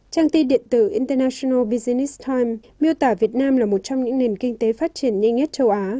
trang tin điện tử international business times miêu tả việt nam là một trong những nền kinh tế phát triển nhanh nhất châu á